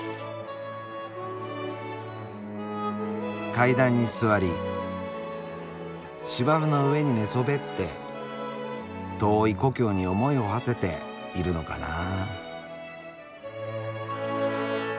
階段に座り芝生の上に寝そべって遠い故郷に思いをはせているのかなあ。